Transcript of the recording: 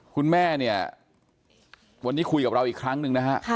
คุณแม่เนี่ยวันนี้คุยกับเราอีกครั้งหนึ่งนะฮะ